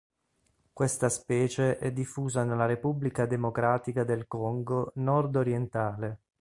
Questa specie è diffusa nella Repubblica Democratica del Congo nord-orientale.